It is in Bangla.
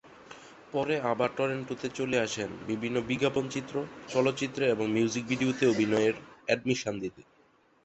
পরে আবার টরন্টোতে চলে আসেন বিভিন্ন বিজ্ঞাপন চিত্র, চলচ্চিত্রে, এবং মিউজিক ভিডিও তে অভিনয়ের অডিশন দিতে।